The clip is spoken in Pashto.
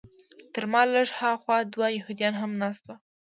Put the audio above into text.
تر ما لږ هاخوا دوه یهودان هم ناست وو.